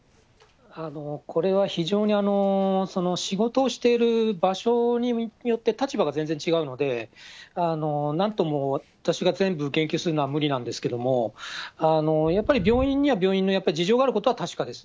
これは非常に、仕事をしている場所によって、立場が全然違うので、なんとも、私が全部言及するのは無理なんですけれども、やっぱり、病院には病院のやっぱり事情があることは確かです。